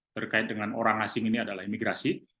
terkait dengan orang asing ini adalah imigrasi